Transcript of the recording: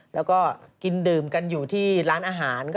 แล้วก็กินดื่มกันอยู่ที่ร้านอาหาร